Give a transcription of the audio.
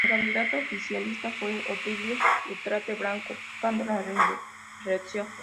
El candidato oficialista fue Otilio Ulate Blanco buscando la reelección.